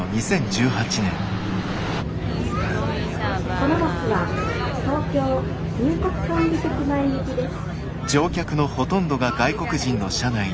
「このバスは東京入国管理局前行きです」。